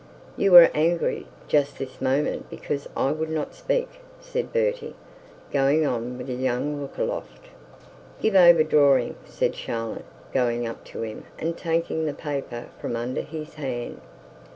'You were angry just this moment because I would not speak,' said Bertie, going on with a young Lookaloft. 'Give over drawing,' said Charlotte, going up to him and taking the paper from under his hand.